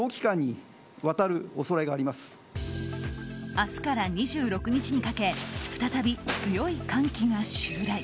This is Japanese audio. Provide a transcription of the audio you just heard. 明日から２６日にかけ再び強い寒気が襲来。